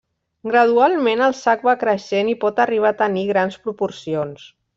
Gradualment, el sac va creixent i pot arribar a tenir grans proporcions.